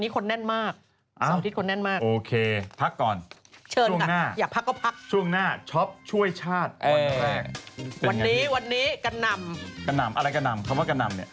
กะนำอะไรกะนำเขาว่ากะนำชอบกะนำซื้อฮะชมกันกะนำ